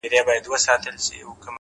څه د اضدادو مجموعه یې د بلا لوري ـ